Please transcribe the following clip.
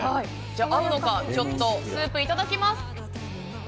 合うのかちょっとスープをいただきます。